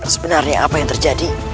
sebenarnya apa yang terjadi